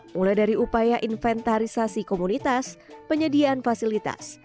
mulai dari upaya inventarisasi komunitas penyediaan fasilitas